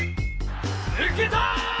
抜けた！